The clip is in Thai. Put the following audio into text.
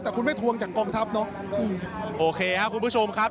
แต่คุณไม่ทวงจากกองทัพเนอะโอเคครับคุณผู้ชมครับ